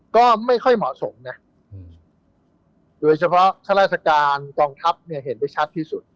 ก็ไม่ค่อยเหมาะสมนะโดยเฉพาะข้าราชการกองทัพเนี่ยเห็นได้ชัดที่สุด